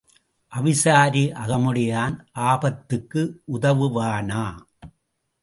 அவிசாரி அகமுடையான் ஆபத்துக்கு உதவுவானா?